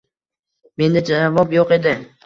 Menda javob yo`q edi